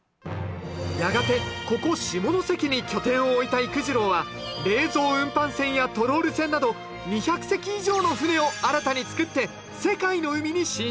やがてここ下関に拠点を置いた幾次郎は冷蔵運搬船やトロール船など２００隻以上の船を新たに造って世界の海に進出。